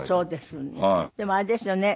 そうですね。